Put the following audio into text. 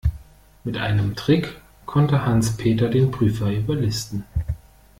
Mit einem Trick konnte Hans-Peter den Prüfer überlisten.